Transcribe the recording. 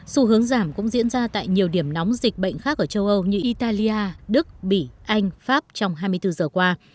xu hướng giảm cũng diễn ra tại nhiều điểm nóng dịch bệnh khác ở châu âu như italia đức bỉ anh pháp trong hai mươi bốn giờ qua